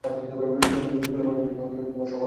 সুলেমান, সবাই চলে যাচ্ছে।